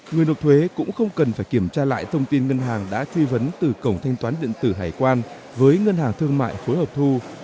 người nộp thuế cũng không cần phải kiểm tra lại thông tin ngân hàng đã truy vấn từ cổng thanh toán điện tử hải quan với ngân hàng thương mại phối hợp thu